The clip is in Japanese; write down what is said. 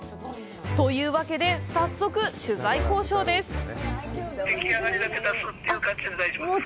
というわけで、早速、取材交渉です。